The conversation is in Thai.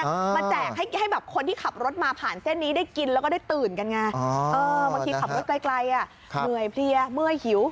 มาแจกให้แบบคนที่ขับรถมาผ่านเส้นนี้ได้กินแล้วก็ได้ตื่นกันไง